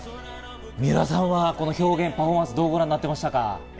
三浦さん、表現、パフォーマンスをどうご覧になっていましたか？